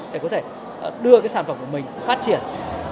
để có thể đưa cái sản phẩm của mình phát triển